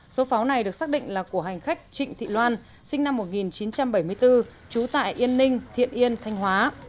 số pháo này được xác định là của hành khách trịnh thị loan sinh năm một nghìn chín trăm bảy mươi bốn trú tại yên ninh thiện yên thanh hóa